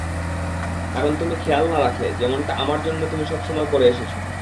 কারণ তুমি খেয়াল না রাখলে, যেমনটা আমার জন্যে তুমি সবসময় করে এসেছো।